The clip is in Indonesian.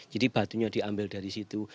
jadi batunya diambil dari situ